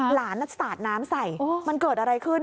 หลานสาดน้ำใส่มันเกิดอะไรขึ้น